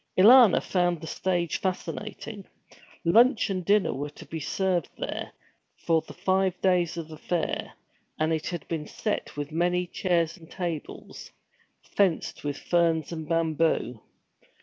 Alanna found the stage fascinating. Lunch and dinner were to be served there, for the five days of the fair, and it had been set with many chairs and tables, fenced with ferns and bamboo.